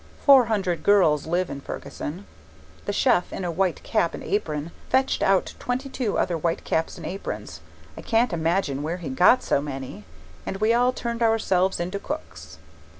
Four hundred girls live in Fergussen. The chef, in a white cap and apron, fetched out twenty two other white caps and aprons I can't imagine where he got so many and we all turned ourselves into cooks.